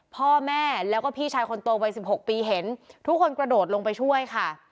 พ่อแม่แล้วก็พี่ชายคนโตวัย๑๖ปีเห็นทุกคนกระโดดลงไปช่วยค่ะ